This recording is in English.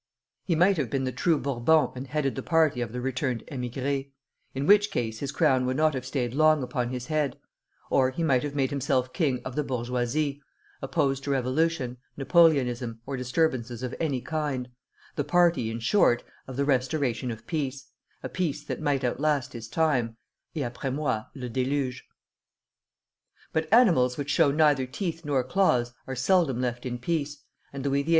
He might have been the true Bourbon and headed the party of the returned émigrés, in which case his crown would not have stayed long upon his head; or he might have made himself king of the bourgeoisie, opposed to revolution, Napoleonism, or disturbances of any kind, the party, in short, of the Restoration of Peace: a peace that might outlast his time; et après moi le déluge! But animals which show neither teeth nor claws are seldom left in peace, and Louis XVIII.'